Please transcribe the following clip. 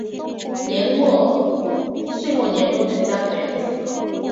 岁末年终全家团圆的时刻